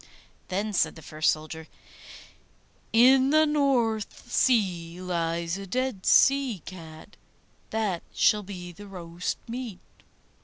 Then said the first soldier, 'In the North Sea lies a dead sea cat; that shall be the roast meat.